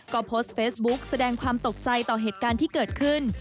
ก็โพสต์เฟซบุ๊กแสดงความตกใจต่อเหตุการณ์ที่เกิดขึ้น